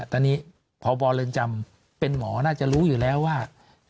ตอนนี้พบเรือนจำเป็นหมอน่าจะรู้อยู่แล้วว่า